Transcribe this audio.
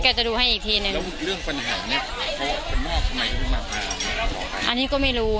อันที่ไม่รู้